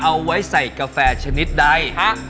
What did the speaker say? เอาไว้ใส่กาแฟชนิดใด